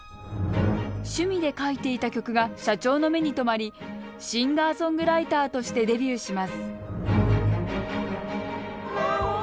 趣味で書いていた曲が社長の目に留まりシンガーソングライターとしてデビューします